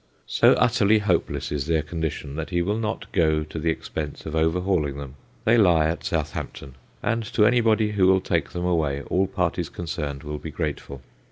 So utterly hopeless is their condition, that he will not go to the expense of overhauling them; they lie at Southampton, and to anybody who will take them away all parties concerned will be grateful.